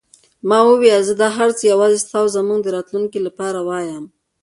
ما وویل: زه دا هر څه یوازې ستا او زموږ د راتلونکې لپاره وایم.